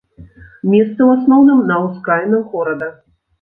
Месцы ў асноўным на ўскраінах горада.